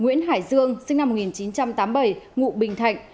nguyễn hải dương sinh năm một nghìn chín trăm tám mươi bảy ngụ bình thạnh